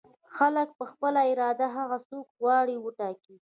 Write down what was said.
خلک په خپله اراده هغه څوک چې غواړي وټاکي.